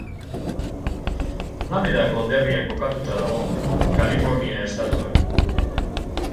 Alameda konderrian kokatuta dago, Kalifornia estatuan.